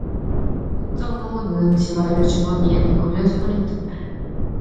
옥점 어머니는 지화를 주머니에 넣으며 소리쳤다.